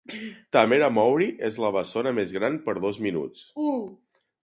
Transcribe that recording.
Tamera Mowry és la bessona més gran per dos minuts.